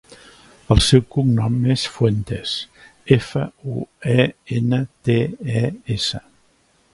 El seu cognom és Fuentes: efa, u, e, ena, te, e, essa.